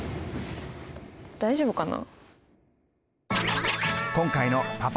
大丈夫かな。